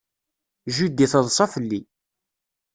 Judy teḍsa fell-i.